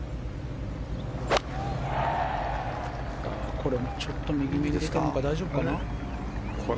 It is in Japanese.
これもちょっと右めかな大丈夫かな。